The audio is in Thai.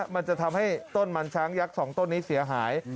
มันจะทำให้ต้นมันช้างยักษ์๒ต้นนี้เสียหาย